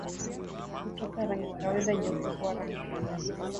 kutoka rangi ya kawaida nyeupe kuwa rangi ya